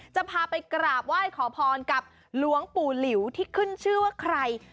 จะพาไปกราบไหว้ขอพรกับหลวงปู่หลิวที่ขึ้นชื่อว่าใคร